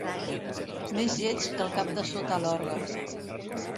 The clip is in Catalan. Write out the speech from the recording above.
Més lleig que el cap de sota l'orgue.